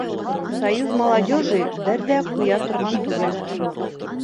Союз молодежи бер ҙә ҡуя торған түгел.